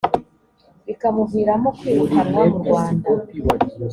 bikamuviramo kwirukanwa mu rwanda